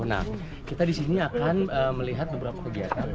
nah kita disini akan melihat beberapa kegiatan